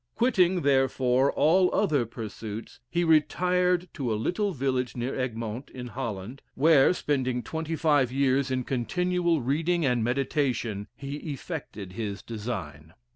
Quitting, therefore, all other pursuits, he retired to a little village near Egmont, in Holland, where spending twenty five years in continual reading and meditation, he effected his design."